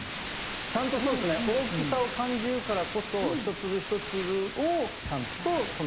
ちゃんとそうですね大きさを感じるからこそ一粒一粒をちゃんとその意識できるというか。